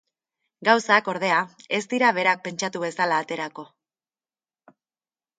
Gauzak, ordea, ez dira berak pentsatu bezala aterako.